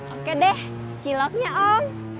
oke deh ciloknya om